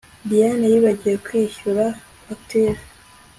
diane yibagiwe kwishyura fagitire